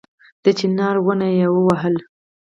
د چينار ونه يې ووهله